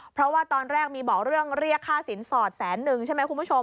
เพราะว่าตอนแรกมีบอกเรื่องเรียกค่าสินสอดแสนนึงใช่ไหมคุณผู้ชม